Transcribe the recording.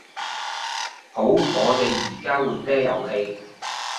好，我哋而家玩咩遊戲